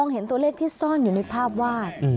เห็นตัวเลขที่ซ่อนอยู่ในภาพวาด